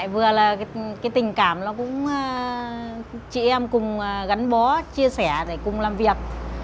vừa là tình cảm chị em cùng gắn bó chia sẻ cùng làm việc